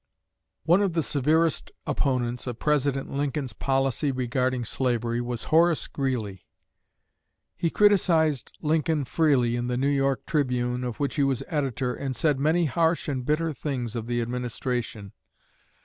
One of the severest opponents of President Lincoln's policy regarding slavery was Horace Greeley. He criticized Lincoln freely in the New York "Tribune," of which he was editor, and said many harsh and bitter things of the administration.